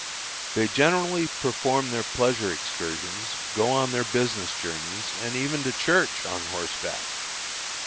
They generally perform their pleasure excursions, go on their business journeys, and even to church, on horseback.